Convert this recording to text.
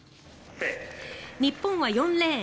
日本は４レーン。